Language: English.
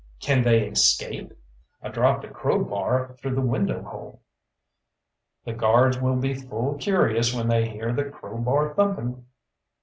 "Can they escape?" "I dropped a crowbar through the window hole." "The guards will be full curious when they hear the crowbar thumping."